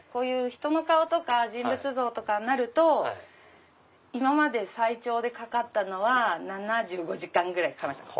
人の顔とか人物像とかになると今まで最長でかかったのは７５時間ぐらい。